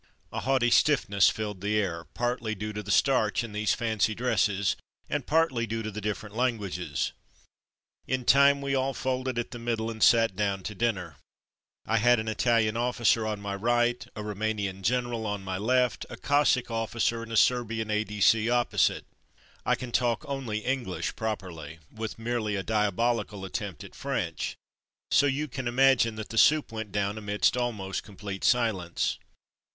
A haughty stiffness filled the air, partly due to the starch in these fancy dresses, and partly to the different languages. In time we all folded at the middle, and sat down to dinner. I had an Italian officer on my right, a Roumanian general on my left, a Cossack 234 From Mud to Mufti officer and a Serbian A. D. C. opposite. I can talk only English properly, with merely a diabolical attempt at French, so you can imagine that the soup went down amidst almost complete silence.